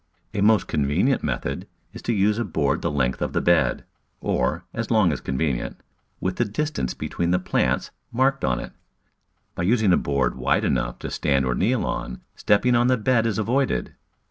A most convenient method is to use a board the length of the bed, or as long as convenient, with the distance between the plants marked on it. By 53 Digitized by Google 54 The Flower Garden [Chapter using a board wide enough to stand Or kneel on, step ping on the bed is avoided.